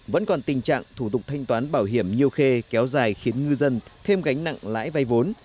vẫn còn tình trạng thủ tục thanh toán bảo hiểm nhiều khê kéo dài khiến ngư dân thêm gánh nặng lãi vay vốn